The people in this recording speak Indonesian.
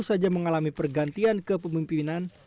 saja mengalami pergantian kepemimpinan